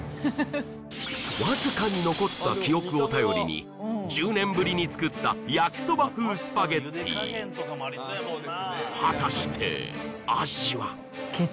わずかに残った記憶を頼りに１０年ぶりに作った焼きそば風スパゲッティ果たして味は？